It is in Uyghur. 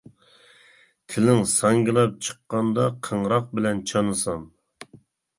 تىلىڭ ساڭگىلاپ چىققاندا قىڭراق بىلەن چانىسام!